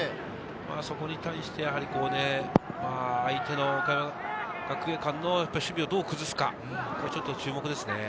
そこに対して相手の岡山学芸館の守備をどう崩すか、ちょっと注目ですね。